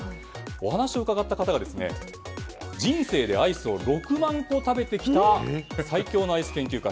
お話を伺った方が人生でアイスを６万個食べてきた最強のアイス研究家